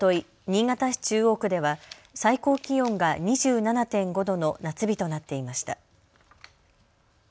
新潟市中央区では最高気温が２７．５度の夏日となっていました。